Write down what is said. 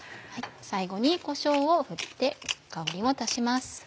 最後にこしょうを振って香りを足します。